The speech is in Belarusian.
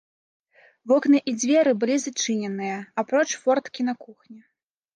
Вокны і дзверы былі зачыненыя, апроч форткі на кухні.